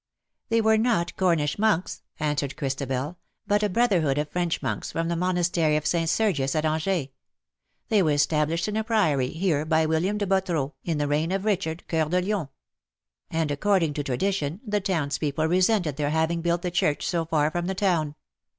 " They were not Cornish monks/^ answered Christabel;, " but a brotherhood of French monks from the monastery of St. Sergius, at Angers. They were established in a Priory here by William de Bottreaux, in the reign of Eichard^ Coeur de Lion ; and^ according to tradition_, the townspeople resented their having built the church so far from the town.